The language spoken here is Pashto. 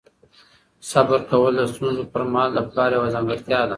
صبر کول د ستونزو پر مهال د پلار یوه ځانګړتیا ده.